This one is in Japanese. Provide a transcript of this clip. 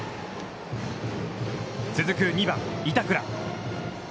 続く、２番板倉。